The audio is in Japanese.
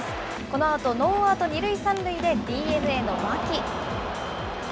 このあと、ノーアウト２塁３塁で、ＤｅＮＡの牧。